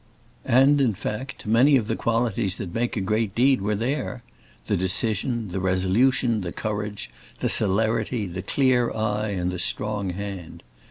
And, in fact, many of the qualities that make a great deed were there: the decision, the resolution, the courage, the celerity, the clear eye, and the strong hand.